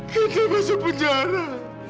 candy masuk penjara